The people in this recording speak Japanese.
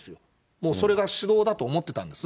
もうそれが指導だと思ってたんです。